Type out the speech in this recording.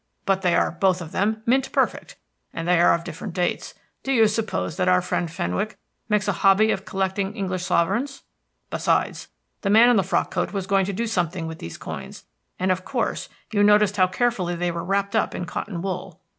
But they are both of them Mint perfect, and they are of different dates. Do you suppose that our friend Fenwick makes a hobby of collecting English sovereigns? Besides, the man in the frock coat was going to do something with these coins; and, of course, you noticed how carefully they were wrapped up in cotton wool."